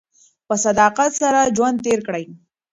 په صداقت سره ژوند تېر کړئ.